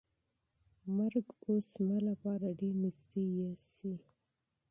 مرګ اوس زما لپاره ډېر نږدې برېښي.